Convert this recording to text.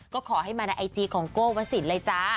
ก็ขอให้มาในไอจีของโก้วสินเลยจ้า